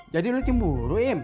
jadi lu cemburu im